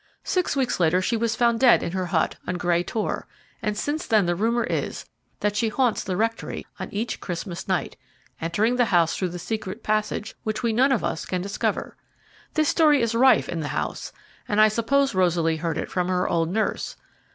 Six weeks later she was found dead in her hut, on Grey Tor, and since then the rumour is that she haunts the rectory on each Christmas night entering the house through the secret passage which we none of us can discover. This story is rife in the house, and I suppose Rosaly heard it from her old nurse.